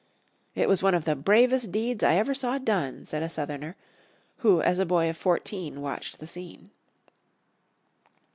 "It was one of the bravest deeds I ever saw done," said a Southerner, who as a boy of fourteen watched the scene.